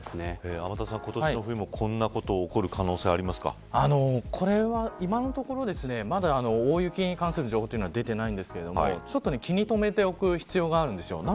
天達さん、今年の冬もこんなこと起こるこれは今のところまだ大雪に関する情報は出てないんですけどちょっと気に留めておく必要があるんです。